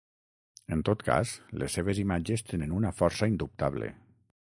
En tot cas, les seves imatges tenen una força indubtable.